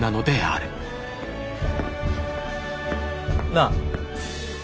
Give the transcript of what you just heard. なあ。